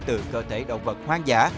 từ cơ thể động vật hoang dã